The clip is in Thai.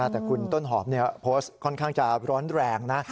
แต่คุณต้นหอมโพสต์ค่อนข้างจะร้อนแรงนะ